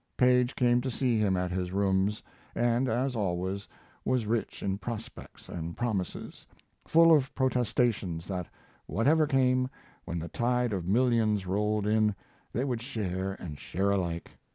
Paige came to see him at his rooms, and, as always, was rich in prospects and promises; full of protestations that, whatever came, when the tide of millions rolled in, they would share and share alike.